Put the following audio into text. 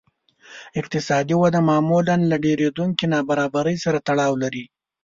اقتصادي وده معمولاً له ډېرېدونکې نابرابرۍ سره تړاو لري